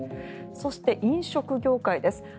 そして、飲食業界です。